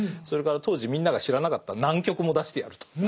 それから当時みんなが知らなかった南極も出してやると。